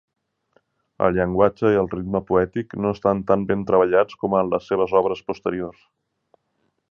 El llenguatge i el ritme poètic no estan tan ben treballats com en les seves obres posteriors.